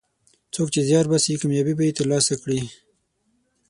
څوک چې زیار باسي، کامیابي به یې ترلاسه کړي.